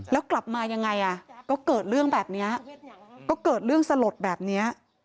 แล้วกลับมายังไงอ่ะก็เกิดเรื่องแบบนี้ก็เกิดเรื่องสลดแบบนี้